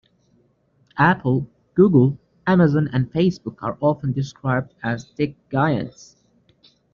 Apple, Google, Amazon and Facebook are often described as tech giants.